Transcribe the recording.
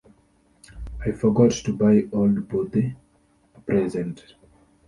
I forgot to buy old Bodhi a present.